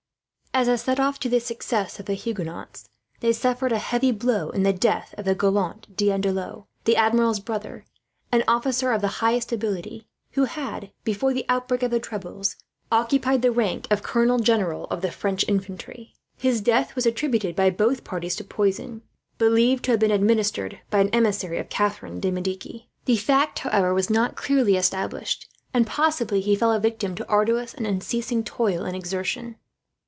As a set off to the success of the Huguenots, they suffered a heavy blow in the death of the gallant D'Andelot, the Admiral's brother an officer of the highest ability, who had, before the outbreak of the troubles, occupied the rank of colonel general of the French infantry. His death was attributed by both parties to poison, believed to have been administered by an emissary of Catherine de Medici. The fact, however, was not clearly established; and possibly he fell a victim to arduous and unceasing toil and exertion.